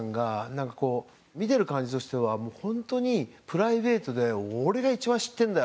なんかこう見てる感じとしては本当にプライベートで「俺が一番知ってるんだよ！」